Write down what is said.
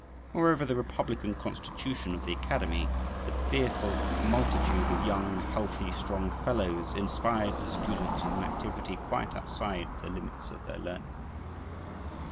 Moreover, the republican constitution of the academy, the fearful multitude of young, healthy, strong fellows, inspired the students with an activity quite outside the limits of their learning.